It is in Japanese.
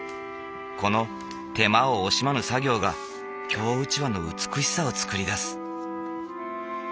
この手間を惜しまぬ作業が京うちわの美しさを作り出す。